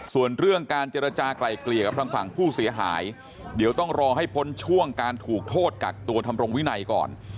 ส่วนเรื่องการเจรจากลายเกลี่ยกับทางฝั่งผู้เสียหายเดี๋ยวต้องรอให้พ้นช่วงการถูกโทษกักตัวทำรงวินัยก่อน